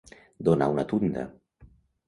Donar una tunda.